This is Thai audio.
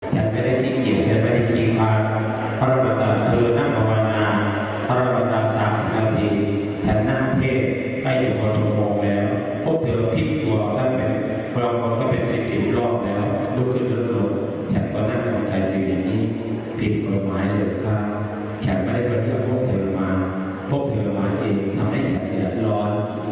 ฉันไม่ได้บรรยากพวกเธอมาพวกเธอมานี่ทำให้ฉันอยากรอน